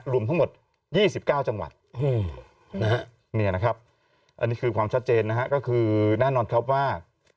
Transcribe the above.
รวมทั้งหมด๒๙จังหวัดนะครับอันนี้คือความชัดเจนนะฮะ